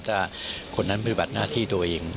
ถ้าคนนั้นปฏิบัติหน้าที่ตัวเอง